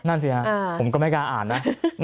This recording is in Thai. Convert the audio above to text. นั่นสิฮะผมก็ไม่กล้าอ่านนะ